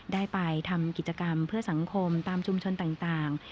ได้ไปทำกิจกรรมเพื่อสังคมตามชุมชนต่าง